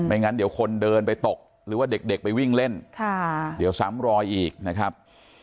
งั้นเดี๋ยวคนเดินไปตกหรือว่าเด็กไปวิ่งเล่นเดี๋ยวซ้ำรอยอีกนะครับ